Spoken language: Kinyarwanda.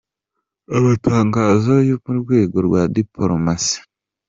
Amatangazo yo mu rwego rwa dipolomasi